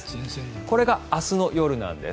これが明日の夜なんです。